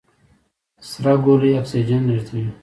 سره ګولۍ اکسیجن لېږدوي.